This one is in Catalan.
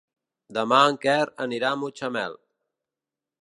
Demà en Quer anirà a Mutxamel.